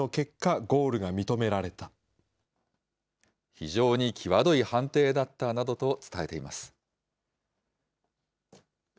非常に際どい判定だったなどと伝えています。